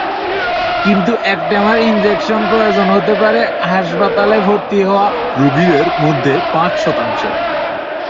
কিন্তু একটেমরা ইনজেকশন প্রয়োজন হতে পারে হাসপাতালে ভর্তি হওয়া রোগীদের মধ্যে পাঁচ শতাংশের।